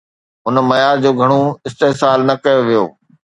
هن معيار جو گهڻو استحصال نه ڪيو ويو